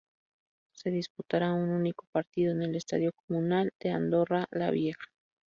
Se disputará a un único partido en el Estadio Comunal de Andorra la Vieja.